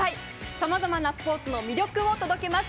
さまざまなスポーツの魅力を届けます。